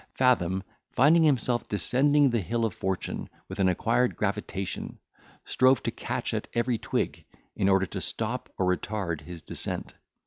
Fathom, finding himself descending the hill of fortune with an acquired gravitation, strove to catch at every twig, in order to stop or retard his descent.